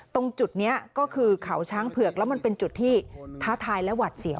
ตรงจุดนี้ก็คือเขาช้างเผือกแล้วมันเป็นจุดที่ท้าทายและหวัดเสียว